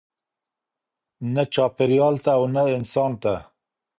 نه چاپیریال ته او نه انسان ته.